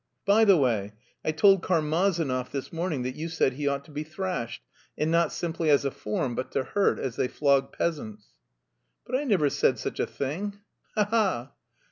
"By the way, I told Karmazinov this morning that you said he ought to be thrashed, and not simply as a form but to hurt, as they flog peasants." "But I never said such a thing; ha ha!"